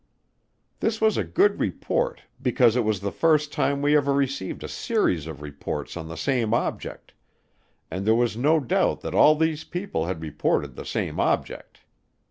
This was a good report because it was the first time we ever received a series of reports on the same object, and there was no doubt that all these people had reported the same object.